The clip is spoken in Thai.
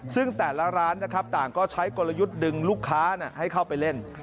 ซึ่งแต่ละร้านนะครับต่างก็ใช้กลยุทธ์ดึงลูกค้าให้เข้าไปเล่น